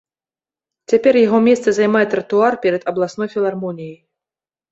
Цяпер яго месца займае тратуар перад абласной філармоніяй.